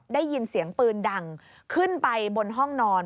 ได้ยินเสียงปืนดังขึ้นไปบนห้องนอน